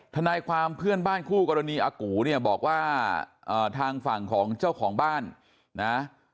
ทนายความเพื่อนบ้านคู่กรณีอากูเนี่ยบอกว่าทางฝั่งของเจ้าของบ้านนะ